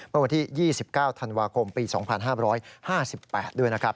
เมื่อวันที่๒๙ธันวาคมปี๒๕๕๘ด้วยนะครับ